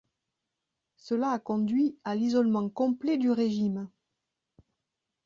Cela a conduit à l'isolement complet du régime.